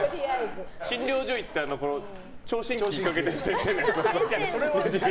診療所行って聴診器かけてる先生のやつを。